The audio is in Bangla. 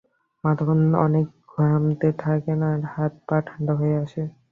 মা তখন অনেক ঘামতে থাকেন আর হাত-পা ঠান্ডা হয়ে আসে।